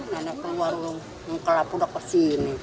saya keluar saya ke sini